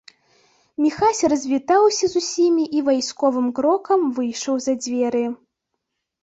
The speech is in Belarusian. Міхась развітаўся з усімі і вайсковым крокам выйшаў за дзверы.